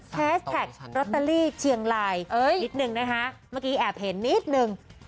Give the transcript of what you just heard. แท็กลอตเตอรี่เชียงรายนิดนึงนะคะเมื่อกี้แอบเห็นนิดนึง